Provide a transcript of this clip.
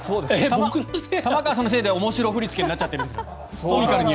玉川さんのせいで面白振り付けになっちゃってるんですよ。